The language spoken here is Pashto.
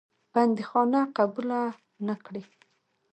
بندیخانه قبوله نه کړې.